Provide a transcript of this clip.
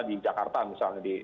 di jakarta misalnya